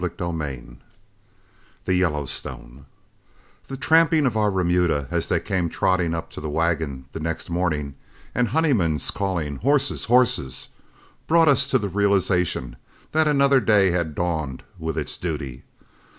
CHAPTER XXI THE YELLOWSTONE The tramping of our remuda as they came trotting up to the wagon the next morning, and Honeyman's calling, "Horses, horses," brought us to the realization that another day had dawned with its duty.